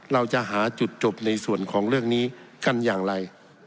เราจะหาจุดจบในส่วนของเรื่องนี้กันอย่างไร